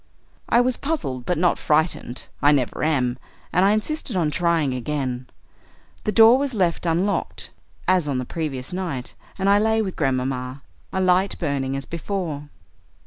"I was puzzled, but not frightened; I never am, and I insisted on trying again. The door was left unlocked, as on the previous night, and I lay with Grandmamma, a light burning as before.